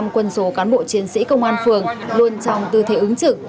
một trăm linh quân số cán bộ chiến sĩ công an phường luôn trong tư thế ứng trực